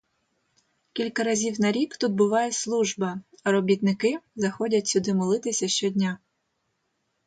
Кілька разів на рік тут буває служба, а робітники заходять сюди молитися щодня.